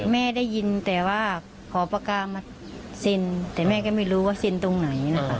แม่ได้ยินแต่ว่าขอปากกามาเซ็นแต่แม่ก็ไม่รู้ว่าเซ็นตรงไหนนะคะ